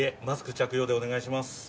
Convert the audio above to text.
マスク着用でお願いします。